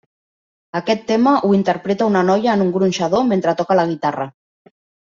Aquest tema ho interpreta una noia en un gronxador mentre toca la guitarra.